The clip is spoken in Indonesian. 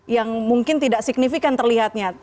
yang mungkin tidak signifikan terlihatnya